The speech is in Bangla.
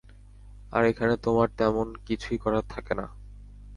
আর এখানে তোমার তেমন কিছুই করার থাকে না।